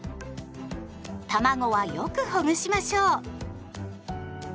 たまごはよくほぐしましょう。